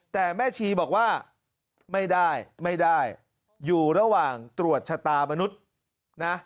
แต่แม่ชีบอกว่าไม่ได้ไม่ได้อยู่ระหว่างตรวจชะตามนุษย์นะ